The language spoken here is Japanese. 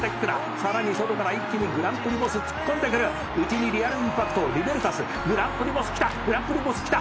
「さらに外から一気にグランプリボス突っ込んでくる」「内にリアルインパクトリベルタス」「グランプリボス来たグランプリボス来た」